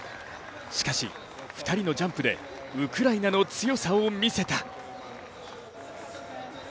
しかし、２人のジャンプでウクライナの強さを見せた。